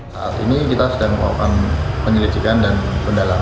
saat ini kita sedang melakukan penyelidikan dan pendalaman